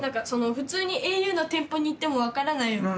普通にａｕの店舗に行っても分からないようなこと。